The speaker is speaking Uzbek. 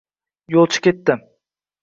Yo’lchi ketdi